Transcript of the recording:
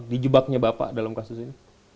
dijebaknya bapak dalam kasus ini